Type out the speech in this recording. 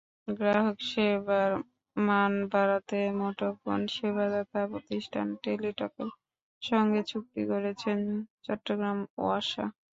গ্রাহকসেবার মান বাড়াতে মুঠোফোন সেবাদাতা প্রতিষ্ঠান টেলিটকের সঙ্গে চুক্তি করেছে চট্টগ্রাম ওয়াসা।